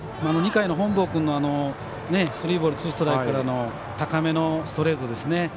２回の本坊君のスリーボールツーストライクからの高めのストレートですね。